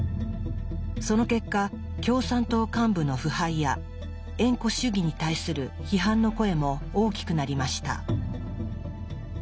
その結果共産党幹部の腐敗や縁故主義に対する批判の声も大きくなりました。